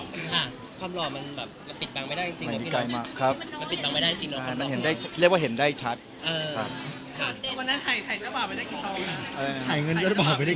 ค่ะความหล่อมันแบบเราปิดบังไม่ได้จริงนะพี่